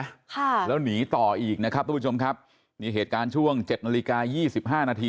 ค่ะแล้วหนีต่ออีกนะครับทุกผู้ชมครับนี่เหตุการณ์ช่วงเจ็ดนาฬิกายี่สิบห้านาที